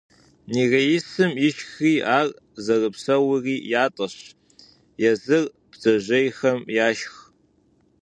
Нереисым ишхри ар зэрыпсэури ятӀэщ, езыр бдзэжьейхэм яшх.